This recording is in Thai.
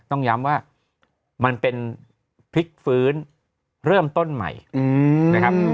ต้องย้ำว่ามันเป็นพลิกฟื้นเริ่มต้นใหม่นะครับ